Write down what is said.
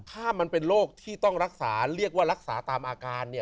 ถ้ามันเป็นโรคที่ต้องรักษาเรียกว่ารักษาตามอาการ